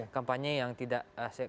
kampanye yang tidak